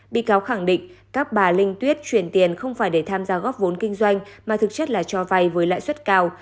bị cáo khẳng định các bà linh tuyết chuyển tiền không phải để tham gia góp vốn kinh doanh mà thực chất là cho vay với lãi suất cao